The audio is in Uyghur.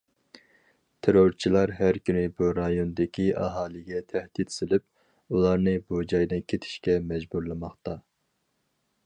تېررورچىلار ھەر كۈنى بۇ رايوندىكى ئاھالىگە تەھدىت سېلىپ، ئۇلارنى بۇ جايدىن كېتىشكە مەجبۇرلىماقتا.